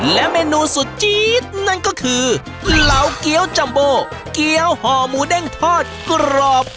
และเมนูสุดจี๊ดนั่นก็คือเหลาเกี้ยวจัมโบเกี้ยวห่อหมูเด้งทอดกรอบ